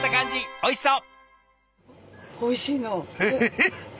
おいしそう！